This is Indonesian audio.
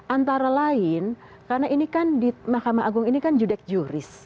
antara lain karena ini kan di mahkamah agung ini kan judek juris